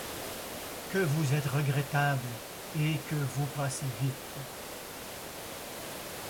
Que vous êtes regrettable et que vous passez vite !